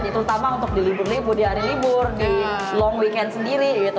terutama untuk di hari libur di long weekend sendiri gitu